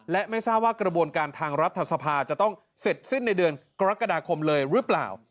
และไม่ทราบว่ากระบวนการทางรัฐสภาจะต้องเสร็จสิ้นในเดือนกรกฎาคมเลยหรือเปล่า